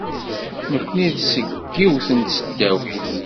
Nekni seg yiwet n tseddawit.